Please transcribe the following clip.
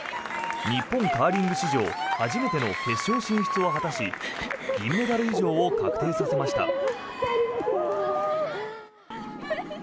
日本カーリング史上初めての決勝進出を果たし銀メダル以上を確定させました。